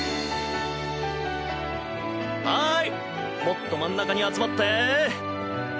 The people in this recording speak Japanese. もっと真ん中に集まって。